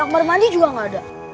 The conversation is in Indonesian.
kamar mandi juga nggak ada